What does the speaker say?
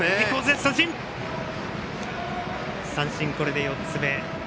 三振、これで４つ目。